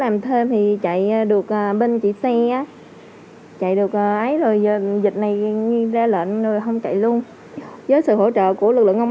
mong cho dịch nó qua